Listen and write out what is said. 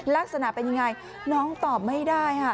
ลักษณะเป็นยังไงน้องตอบไม่ได้ค่ะ